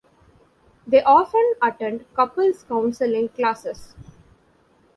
They often attend couples-counselling classes.